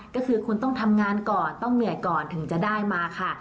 ก็คือคุณต้องทำงานก่อนต้องเหนื่อยก่อนถึงจะได้มาค่ะ